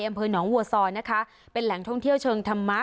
อำเภอหนองวัวซอนะคะเป็นแหล่งท่องเที่ยวเชิงธรรมะ